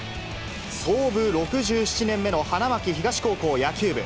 創部６７年目の花巻東高校野球部。